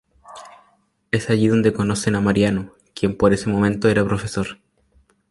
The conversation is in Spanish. Es allí adonde conocen a Mariano, quien por ese momento era profesor.